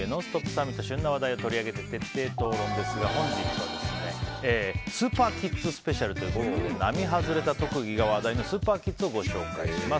サミット旬な話題を取り上げて徹底討論ですが今日はスーパーキッズスペシャルということで並外れた特技が話題のスーパーキッズをご紹介します。